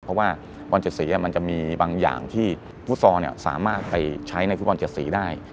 เพราะว่าบอล๗สีมันจะมีบางอย่างที่ฟุตซอลสามารถไปใช้ในฟุตบอล๗สีได้